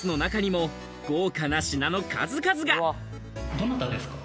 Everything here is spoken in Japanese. どなたですか？